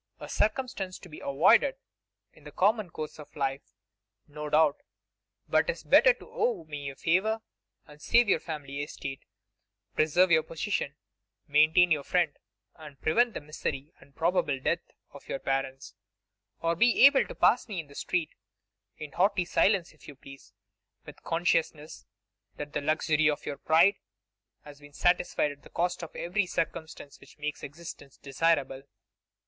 A circumstance to be avoided in the common course of life, no doubt; but is it better to owe me a favour and save your family estate, preserve your position, maintain your friend, and prevent the misery, and probable death, of your parents, or be able to pass me in the street, in haughty silence if you please, with the consciousness that the luxury of your pride has been satisfied at the cost of every circumstance which makes existence desirable?